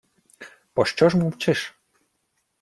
— Пощо ж мовчиш?